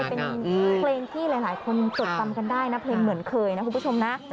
เป็นเพลงที่หลายคนจดจำกันได้นะเพลงเหมือนเคยนะคุณผู้ชมนะ